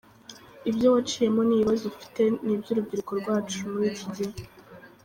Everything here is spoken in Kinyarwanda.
Ibyo waciyemo n’ibibazo ufite ni iby’urubyiruko rwacu muri iki gihe.